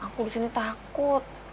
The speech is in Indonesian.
aku disini takut